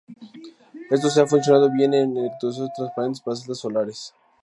Esto ha funcionando bien en electrodos transparentes para celdas solares.